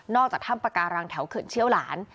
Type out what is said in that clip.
จากถ้ำปาการังแถวเขื่อนเชี่ยวหลาน